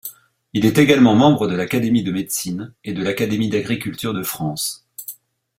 Il est également membre de l'Académie de médecine et de l'Académie d'agriculture de France.